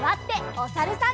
おさるさん。